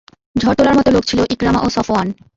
ঝড় তোলার মত লোক ছিল ইকরামা ও সফওয়ান।